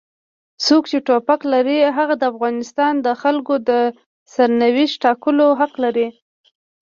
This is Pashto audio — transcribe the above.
څوک چې ټوپک لري هغه د افغانستان د خلکو د سرنوشت ټاکلو حق لري.